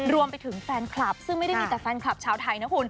รวมไปถึงแฟนคลับซึ่งไม่ได้มีแต่แฟนคลับชาวไทยนะคุณ